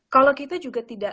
kalau kita juga tidak